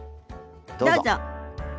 どうぞ。